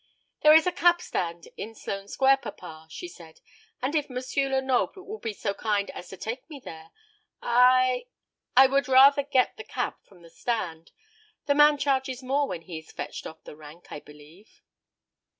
"There is a cab stand in Sloane Square, papa," she said; "and if M. Lenoble will be so kind as to take me there, I I would rather get the cab from the stand. The man charges more when he is fetched off the rank, I believe."